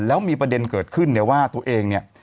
แล้วมีประเด็นเกิดขึ้นเนี่ยว่าตัวเองเนี่ย